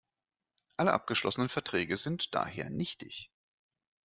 Alle abgeschlossenen Verträge sind daher nichtig.